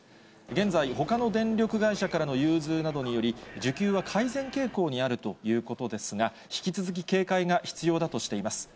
現在、ほかの電力会社からの融通などにより、需給は改善傾向にあるということですが、引き続き警戒が必要だとしています。